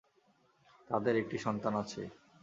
তাঁদের একটি সন্তান আছে।